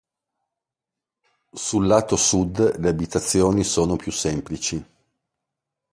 Sul lato sud le abitazioni sono più semplici.